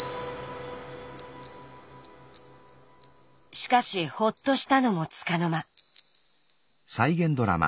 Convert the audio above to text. しかしほっとしたのもつかの間。